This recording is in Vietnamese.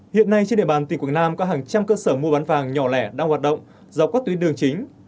hiện nay trên địa bàn tỉnh quảng nam có hàng trăm cơ sở mua bán vàng nhỏ lẻ đang hoạt động dọc các tuyến đường chính